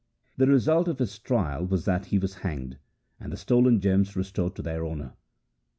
The result of his trial was that he was hanged, and the stolen gems restored to their owner.